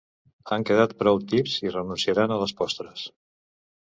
Han quedat prou tips i renunciaran a les postres.